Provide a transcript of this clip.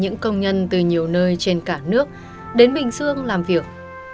những công nhân từ nhiều nơi trên cả nước đến bình dương làm việc